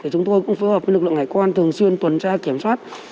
chúng tôi cũng phối hợp với lực lượng hải quan thường xuyên tuần tra kiểm soát